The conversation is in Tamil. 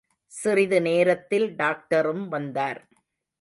சிறிது நேரத்தில் டாக்டரும் வந்தார்.